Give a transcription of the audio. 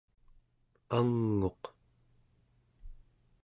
ang'uq